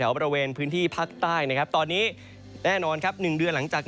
บริเวณพื้นที่ภาคใต้นะครับตอนนี้แน่นอนครับ๑เดือนหลังจาก